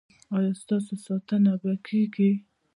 ایا ستاسو ساتنه به کیږي؟